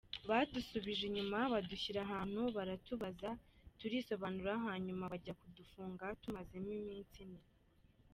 Badusubije inyuma, badushyira ahantu baratubaza, turisobanura hanyuma bajya kudufunga, tumazemo iminsi ine.’’